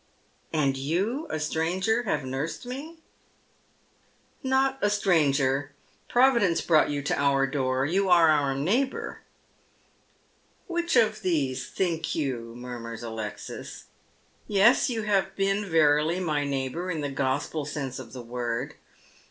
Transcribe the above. " And you — a stranger — have nursed me ?"" Not a stranger. Providence brought you to our door ; you are our neighbour." "' Which of these, think you ?'" murmurs Alexis. " Yes, you have been verily my neighbour, in the Gospel sense of the word.